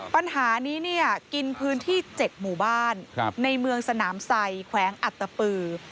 ปัญหานี้กินพื้นที่เจ็ดหมู่บ้านในเมืองสนามไซค์แขวงอัตปือ